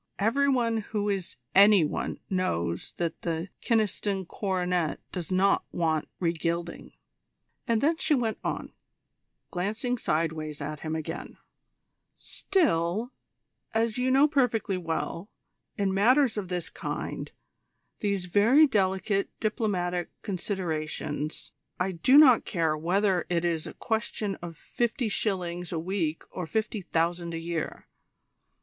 Every one who is any one knows that the Kyneston coronet does not want re gilding." And then she went on, glancing sideways at him again: "Still, as you know perfectly well, in matters of this kind, these very delicate diplomatic considerations, I do not care whether it is a question of fifty shillings a week or fifty thousand a year.